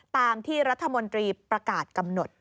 ตามที่รัฐมนตรีประกาศกำหนด